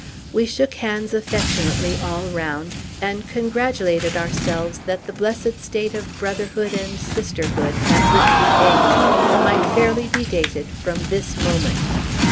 We shook hands affectionately all round, and congratulated ourselves that the blessed state of brotherhood and sisterhood, at which we aimed, might fairly be dated from this moment.